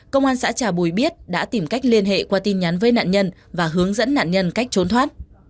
công an xã trà bùi biết đã tìm cách liên hệ qua tin nhắn với nạn nhân và hướng dẫn nạn nhân cách trốn thoát